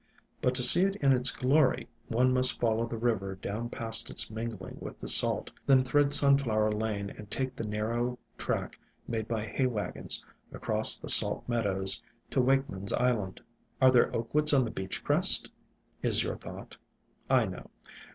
But to see it in its glory, one must fol low the river down past its mingling with the salt, then thread Sunflower Lane and take the narrow track made by hay wagons across the salt meadows to Wakeman's Island. 120 IN SILENT WOODS "Are there Oak woods on the beach crest ?" is your thought, I know.